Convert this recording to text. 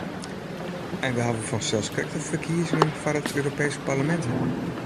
En we hawwe fansels krekt de ferkiezingen foar it Europeesk Parlemint hân.